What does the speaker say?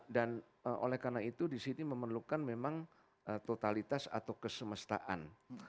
dan oleh karena itu disini memerlukan memang totalitas atau kesemestaan